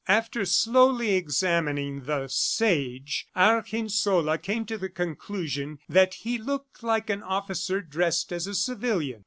After slowly examining the Sage, Argensola came to the conclusion that he looked like an officer dressed as a civilian.